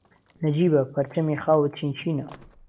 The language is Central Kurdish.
نهجیبه، پهرچهمی خاوت چینچینه